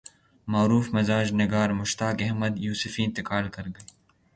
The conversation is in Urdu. معروف مزاح نگار مشتاق احمد یوسفی انتقال کرگئے